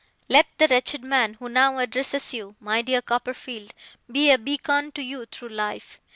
'Let the wretched man who now addresses you, my dear Copperfield, be a beacon to you through life.